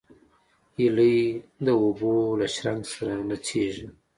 هیلۍ د اوبو له شرنګ سره نڅېږي